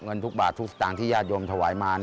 เงินทุกบาททุกสตางค์ที่ญาติโยมถวายมา